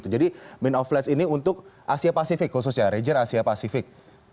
jadi mean of pledge ini untuk asia pasifik khususnya region asia pasifik